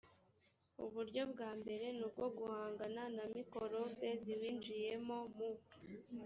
uburyo bwa mbere ni ubwo guhangana na mikorobe ziwinjiyemo mu